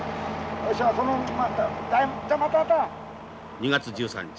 ２月１３日。